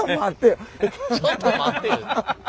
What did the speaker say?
ちょっと待ってよ。